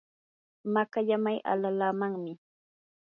makallamay alalaamanmi.